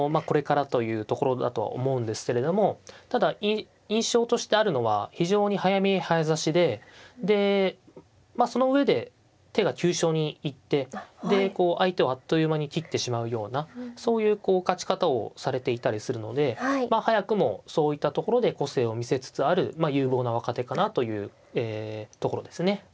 これからというところだとは思うんですけれどもただ印象としてあるのは非常に早見え早指しででまあその上で手が急所に行ってでこう相手をあっという間に斬ってしまうようなそういうこう勝ち方をされていたりするのでまあ早くもそういったところで個性を見せつつある有望な若手かなというところですね。